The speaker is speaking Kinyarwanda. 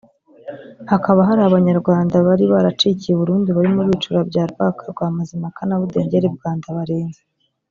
hakaba hari Abanyarwanda bari baracikiye i Burundi barimo Bicura bya Rwaka rwa Mazimpaka na Budengeri bwa Ndabarinze